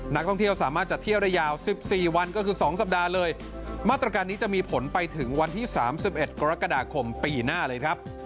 นักท่องเที่ยวสามารถจะเที่ยวได้ยาว๑๔วันก็คือ๒สัปดาห์เลยมาตรการนี้จะมีผลไปถึงวันที่๓๑กรกฎาคมปีหน้าเลยครับ